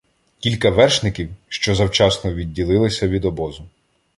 кілька вершників, що завчасно відділилися від обозу.